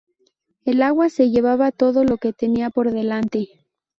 El agua se llevaba todo lo que tenía por delante.